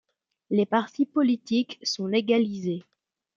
Les partis politiques sont légalisés.